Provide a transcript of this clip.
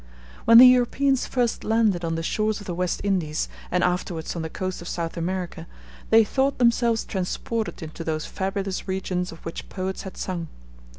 When the Europeans first landed on the shores of the West Indies, and afterwards on the coast of South America, they thought themselves transported into those fabulous regions of which poets had sung.